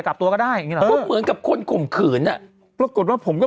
จะกลับตัวก็ได้ก็เหมือนกับคนขุมขื่นอ่ะปรากฏว่าผมก็